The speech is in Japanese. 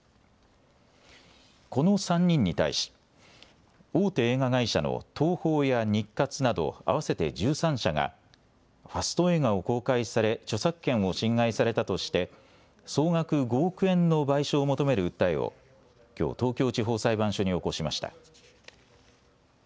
この３人に対し大手映画会社の東宝や日活など合わせて１３社がファスト映画を公開され著作権を侵害されたとして総額５億円の賠償を求める訴えをきょう東京地方裁判所に起こしました。